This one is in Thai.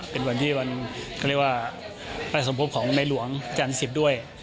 เป็นวันที่วันก็เรียกว่าประสบความพร้อมของไม่หลวงอาจารย์๑๐ด้วย